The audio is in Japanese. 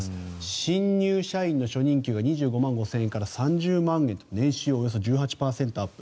新入社員の初任給が２５万５０００円から３０万円と年収およそ１８％アップ。